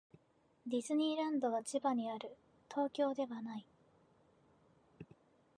ディズニーランドは千葉にある。東京ではない。